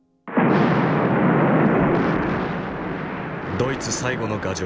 ドイツ最後の牙城